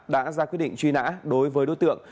đã ra quyết định truy nã đối với đối tượng